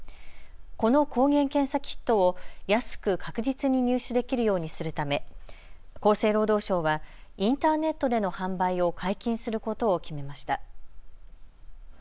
この抗原検査キットを安く確実に入手できるようにするため厚生労働省はインターネットでの販売を解禁することを決めました。